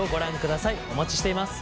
お待ちしています。